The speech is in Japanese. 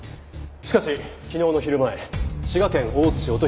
しかし昨日の昼前滋賀県大津市音